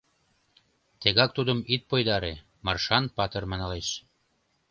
Тегак тудым ит пойдаре, Маршан-патыр маналеш